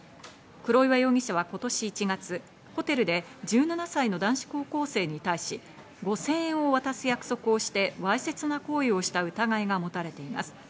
黒岩容疑者は今年１月、ホテルで１７歳の男子高校生に対し、５０００円を渡す約束をして、わいせつな行為をした疑いが持たれています。